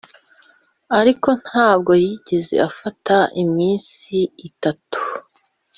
ariko ntabwo yigeze afata iminsi itatu